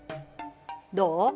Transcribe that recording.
どう？